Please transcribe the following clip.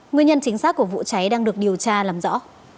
nguyên nhân chính xác của vụ cháy đang được điều tra làm rõ